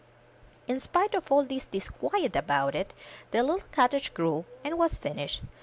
In spite of all this disquiet about it, the little cottage grew and was finished.